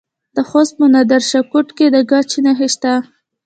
د خوست په نادر شاه کوټ کې د ګچ نښې شته.